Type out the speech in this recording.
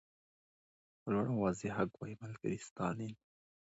په لوړ او واضح غږ وایي ملګری ستالین.